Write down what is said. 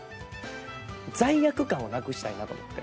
罪悪感をなくしたいなと思って。